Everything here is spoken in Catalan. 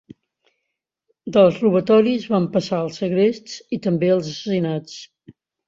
Dels robatoris van passar als segrests i també als assassinats.